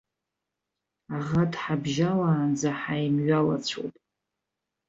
Аӷа дҳабжьалаанӡа ҳаимҩалацәоуп.